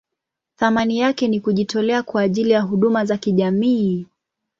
Thamani yake ni kujitolea kwa ajili ya huduma za kijamii.